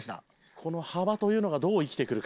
この幅というのがどう生きてくるか？